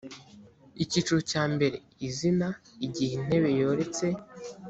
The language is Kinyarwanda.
icyiciro cya mbere izina igihe intebe yoretse